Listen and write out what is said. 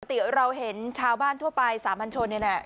ปฏิเสธเราเห็นชาวบ้านทั่วไป๓ลานชนนี้